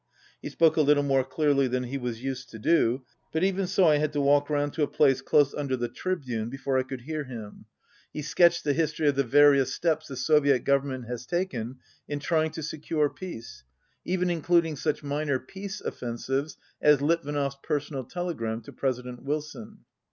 He spoke a little more clearly than he was used to do, but even so I had to walk round to a place close under the tribune before I could hear him. He sketched the history of the various steps the Soviet Government has taken in trying to secure peace, even including such minor "peace offensives" as Litvinov's per sonal telegram to President Wilson.